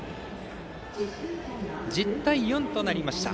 １０対４となりました。